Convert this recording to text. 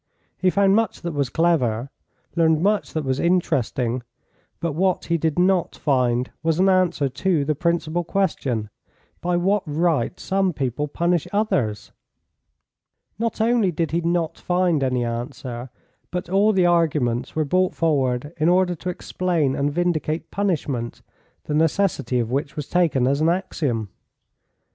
He found much that was clever, learned much that was interesting, but what he did not find was an answer to the principal question: By what right some people punish others? Not only did he not find any answer, but all the arguments were brought forward in order to explain and vindicate punishment, the necessity of which was taken as an axiom.